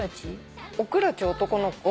おくらち男の子。